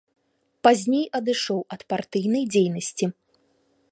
Пазней адышоў ад партыйнай дзейнасці.